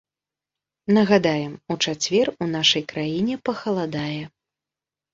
Нагадаем, у чацвер у нашай краіне пахаладае.